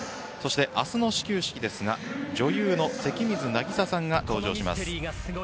そして明日の始球式ですが女優の関水渚さんが登場します。